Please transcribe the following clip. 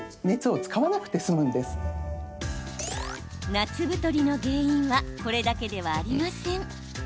夏太りの原因はこれだけではありません。